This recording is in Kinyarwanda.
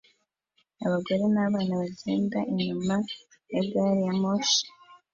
Abagore n'abana bagenda inyuma ya gari ya moshi